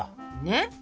ねっ。